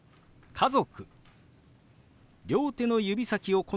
「家族」。